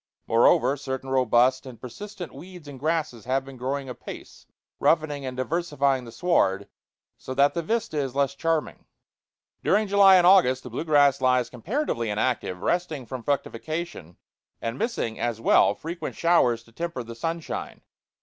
Moreover, certain robust and persistent weeds and grasses have been growing apace, roughening and diversifying the sward, so that the vista is less charming. During July and August the blue grass lies comparatively inactive, resting from fructification, and missing, as well, frequent showers to temper the sunshine.